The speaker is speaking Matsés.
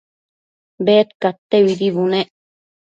Bedcadteuidi bunec